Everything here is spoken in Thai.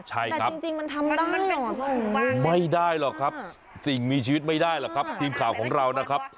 ใช่ครับมันเป็นส่งบ้างไม่ได้เหรอครับส่งมีชีวิตไม่ได้เหรอครับทีมข่าวของเรานะครับ